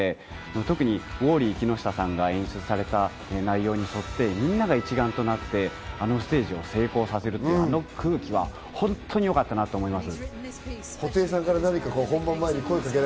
特にウォーリー木下さんが演出された内容に沿ってみんなが一丸となったあのステージを成功させたあのステージはホントによかったなと思います。